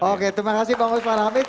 oke terima kasih bang ustaz farhamid